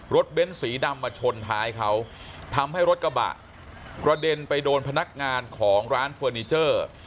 เบ้นสีดำมาชนท้ายเขาทำให้รถกระบะกระเด็นไปโดนพนักงานของร้านเฟอร์นิเจอร์